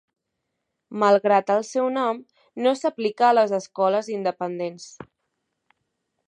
Malgrat el seu nom, no s'aplica a les escoles independents.